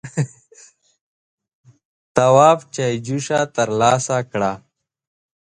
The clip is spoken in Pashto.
تواب چايجوشه تر لاسه کړه.